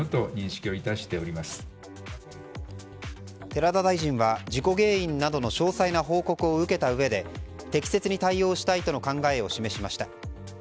寺田大臣は、事故原因などの詳細な報告を受けたうえで適切に対応したいとの考えを示しました。